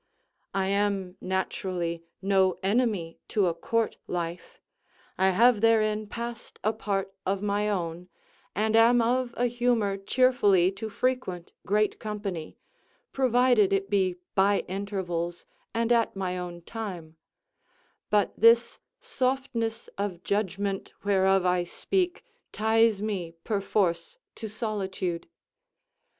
I am naturally no enemy to a court, life; I have therein passed a part of my own, and am of a humour cheerfully to frequent great company, provided it be by intervals and at my own time: but this softness of judgment whereof I speak ties me perforce to solitude.